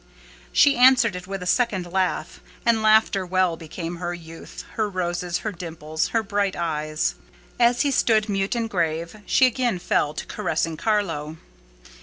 She answered it with a second laugh, and laughter well became her youth, her roses, her dimples, her bright eyes. As he stood, mute and grave, she again fell to caressing Carlo.